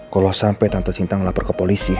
kalau sampai tante sinta ngelapor ke polisi